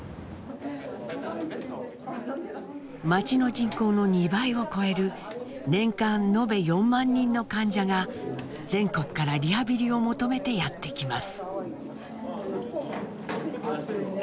町の人口の２倍を超える年間延べ４万人の患者が全国からリハビリを求めてやって来ます。